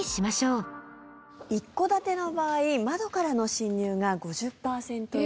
一戸建ての場合窓からの侵入が５０パーセント以上。